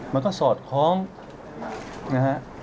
มันก็สอดคล้องนะฮะ